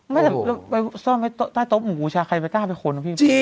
ไม่แต่ไปซ่อนใต้โต๊ะหมูบูชาใครก็กล้าไปขน